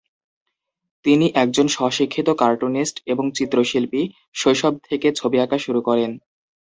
তিনি একজন স্ব শিক্ষিত কার্টুনিস্ট এবং চিত্রশিল্পী, শৈশব থেকে ছবি আঁকা শুরু করেন।